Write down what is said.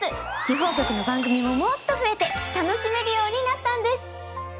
地方局の番組ももっと増えて楽しめるようになったんです。